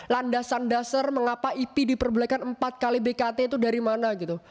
landasan dasar mengapa ip diperbolehkan empat kali bkt itu dari mana gitu